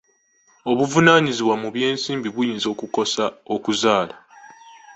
Obuvunaanyizibwa mu by'ensimbi buyinza okukosa okuzaala.